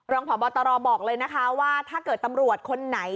รองพบตรบอกเลยนะคะว่าถ้าเกิดตำรวจคนไหน